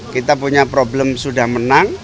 kita punya problem sudah menang